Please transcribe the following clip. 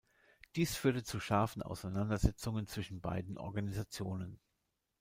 Dies führte zu scharfen Auseinandersetzungen zwischen beiden Organisationen.